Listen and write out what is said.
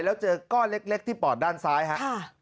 แล้วเจอก้อนเล็กที่ปอดด้านซ้ายครับ